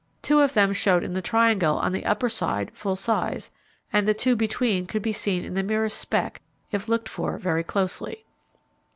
Two of them showed in the triangle on the upper side full size, and the two between could be seen in the merest speck, if looked for very closely.